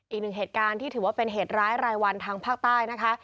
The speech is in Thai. อีกหนึ่งเหตุการณ์ที่ถือว่าเป็นเหตุร้ายรายวันทางภาคใต้นะคะ